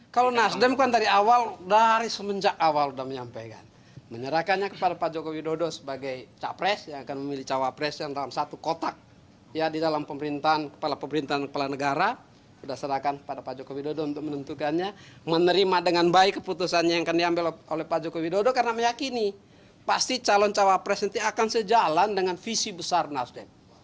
pasti calon calon presiden akan sejalan dengan visi besar nasdem